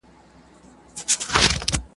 نه له چا سره وي توان د فکر کړلو ..